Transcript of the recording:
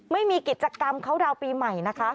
ไม่มีกิจกรรมเขาดาวน์ปีใหม่นะคะ